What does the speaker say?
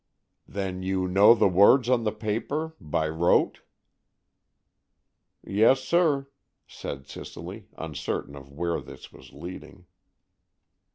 "Then you know the words on the paper,—by rote?" "Yes, sir," said Cicely, uncertain of where this was leading.